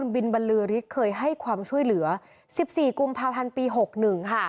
บินบรรลือฤทธิ์เคยให้ความช่วยเหลือ๑๔กุมภาพันธ์ปี๖๑ค่ะ